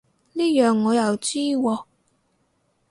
呢樣我又知喎